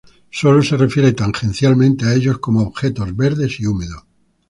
Solo se refiere tangencialmente a ellos como "objetos verdes y húmedos".